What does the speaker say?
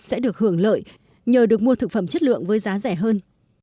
sẽ được hưởng lợi nhờ được mua thực phẩm chất lượng với giá rẻ hơn